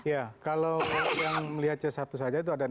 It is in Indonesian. iya kalau yang melihat c satu saja itu ada enam ratus delapan puluh an